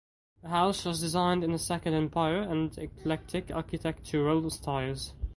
The house was designed in the Second Empire and Eclectic architectural styles.